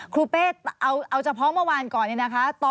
ครูเป้เอาเฉพาะเมื่อวานก่อนนะคะ